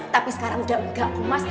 tapi sekarang udah gak emas